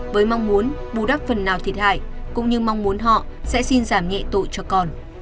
với mong muốn bù đắp phần nào thiệt hại cũng như mong muốn họ sẽ xin giảm nhẹ tội cho con